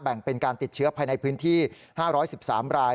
เป็นการติดเชื้อภายในพื้นที่๕๑๓ราย